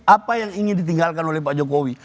apa yang ingin ditinggalkan oleh pak jokowi